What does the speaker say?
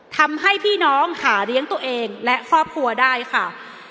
ทำให้พี่น้องหาเลี้ยงตัวเองและครอบครัวได้ค่ะ